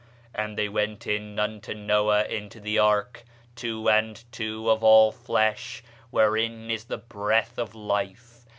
And they went in unto Noah into the ark, two and two of all flesh, wherein is the breath of life.